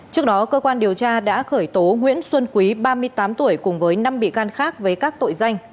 trước đó cơ quan điều tra đã khởi tố nguyễn xuân quý ba mươi tám tuổi cùng với năm bị can khác với các tội danh